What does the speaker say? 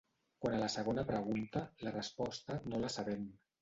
Quant a la segona pregunta, la resposta no la sabem.